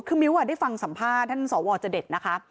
คือมิ้วได้ฟังสัมภาษณ์ท่านสวจเด็ดนะคะ